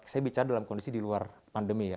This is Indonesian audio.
saya bicara dalam kondisi di luar pandemi ya